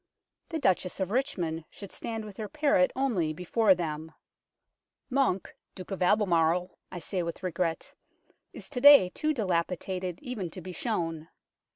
The Duchess of Richmond should stand with her parrot only before them. Monck, Duke of Albemarle, I say with regret, is to day too dilapidated even to be shown.